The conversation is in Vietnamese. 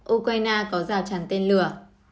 ukraine có rào tràn tên lửa